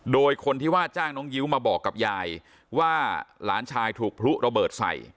โดยคนที่ว่าจ้างน้องยิ้วมาบอกกับยายว่าหลานชายถูกพลุระเบิดใส่